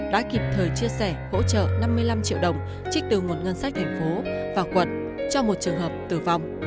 đã kịp thời chia sẻ hỗ trợ năm mươi năm triệu đồng trích từ nguồn ngân sách thành phố và quận cho một trường hợp tử vong